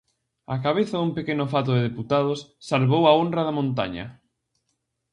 Á cabeza dun pequeno fato de deputados, salvou a honra da Montaña.